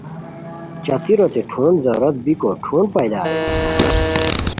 چاتیروت ٹھون ضرورت بیکو ٹھون پیدا ارینی